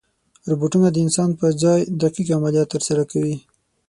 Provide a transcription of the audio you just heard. روبوټونه د انسان پر ځای دقیق عملیات ترسره کوي.